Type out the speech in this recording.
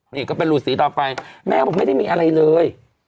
นี่ก็เป็นรูสีต่อไปแม่ก็บอกไม่ได้มีอะไรเลย